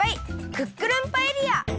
クックルンパエリア！